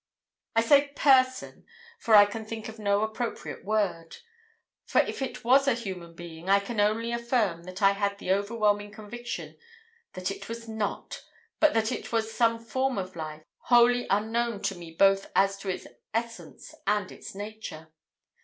"I say 'person,' for I can think of no appropriate word. For, if it was a human being, I can only affirm that I had the overwhelming conviction that it was not, but that it was some form of life wholly unknown to me both as to its essence and its nature.